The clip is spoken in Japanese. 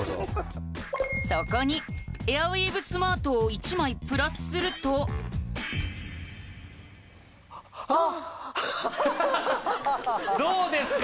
そこにエアウィーヴスマートを１枚プラスするとあっどうですか？